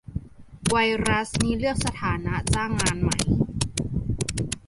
ไวรัสนี่เลือกสถานะจ้างงานไหม